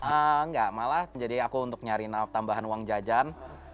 enggak malah jadi aku untuk nyari tambahan uang jajan